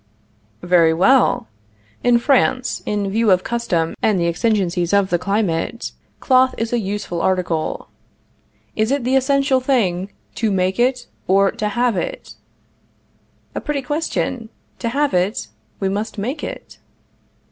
Very well; in France, in view of custom and the exigencies of the climate, cloth is an useful article. Is it the essential thing to make it, or to have it? A pretty question! To have it, we must make it.